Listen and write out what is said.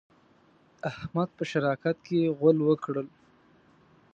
احمد په شراکت کې غول وکړل.